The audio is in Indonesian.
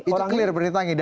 itu clear merintangi